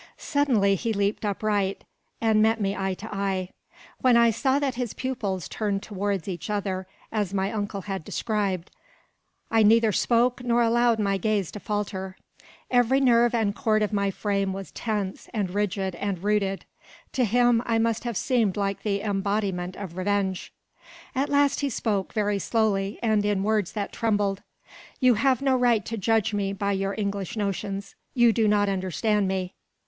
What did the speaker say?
Suddenly he leaped upright, and met me eye to eye. Then I saw that his pupils turned towards each other, as my uncle had described. I neither spoke, nor allowed my gaze to falter. Every nerve and cord of my frame was tense, and rigid, and rooted. To him I must have seemed the embodiment of revenge. At last he spoke, very slowly, and in words that trembled. "You have no right to judge me by your English notions. You do not understand me."